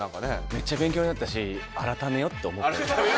めっちゃ勉強になったし改めようと思った？